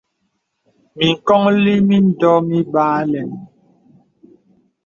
Mǐŋkɔnllī mǐndɔ mibāā alɛ̄n.